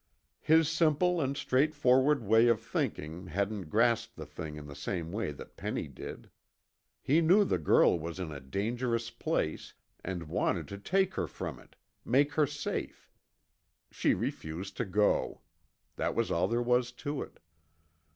His simple and straightforward way of thinking hadn't grasped the thing in the same way that Penny did. He knew the girl was in a dangerous place and wanted to take her from it, make her safe. She refused to go. That was all there was to it.